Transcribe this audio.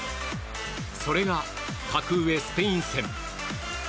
それが格上、スペイン戦。